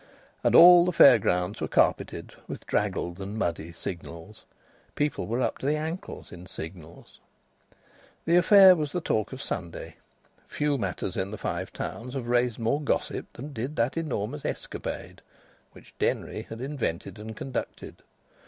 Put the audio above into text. And all the fair grounds were carpeted with draggled and muddy Signals. People were up to the ankles in Signals. The affair was the talk of Sunday. Few matters in the Five Towns have raised more gossip than did that enormous escapade which Denry invented and conducted.